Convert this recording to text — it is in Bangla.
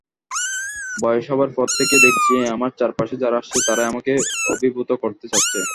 বয়স হবার পর থেকেই দেখছি আমার চারপাশে যারা আসছে তারাই আমাকে অভিভূত করতে চাচ্ছে।